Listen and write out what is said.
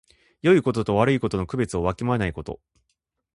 よいことと悪いことの区別をわきまえないこと。